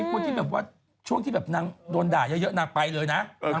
คนที่แบบว่าช่วงที่แบบนางโดนด่าเยอะนางไปเลยนะ